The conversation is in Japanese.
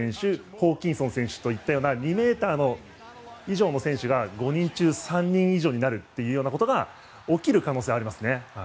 ホーキンソン選手といったような２ｍ以上の選手が５人中３人以上なるということが起きる可能性がありますね。